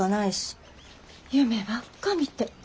夢ばっかみて。